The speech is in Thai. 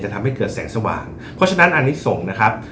ทำให้เกิดแสงสว่างเพราะฉะนั้นอันนี้ส่งนะครับ